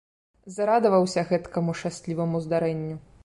Зарадаваўся гэткаму шчасліваму здарэнню.